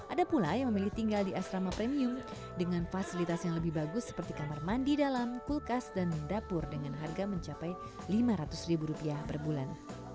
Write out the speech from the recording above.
ada pula yang memilih tinggal di asrama premium dengan fasilitas yang lebih bagus seperti kamar mandi dalam kulkas dan mendapur dengan harga mencapai lima ratus ribu rupiah per bulan